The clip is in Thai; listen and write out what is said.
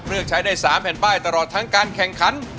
เลือกใช้ได้๓แผ่นป้ายตลอดทั้งการแข่งขัน